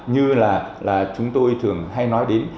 như là chúng tôi thường hay nói đến